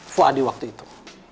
fuadih waktu itu